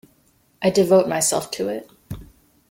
I devote myself to it.